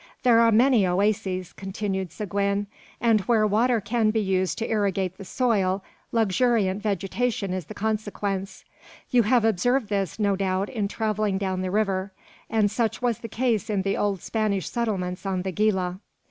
"There are many oases," continued Seguin; "and where water can be used to irrigate the soil, luxuriant vegetation is the consequence. You have observed this, no doubt, in travelling down the river; and such was the case in the old Spanish settlements on the Gila."